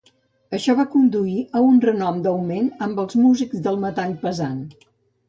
Això va conduir a un renom d'augment amb els músics del metall pesant.